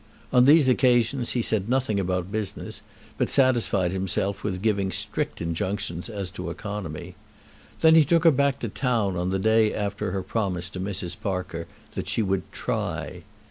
On these occasions he said nothing about business, but satisfied himself with giving strict injunctions as to economy. Then he took her back to town on the day after her promise to Mrs. Parker that she would "try."